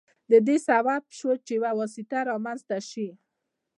د دې سبب شو چې یو واسطه رامنځته شي.